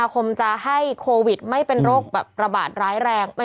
เขาบอกว่ามีนาคมจะให้โควิดไม่เป็นโรคระบาดร้ายแรง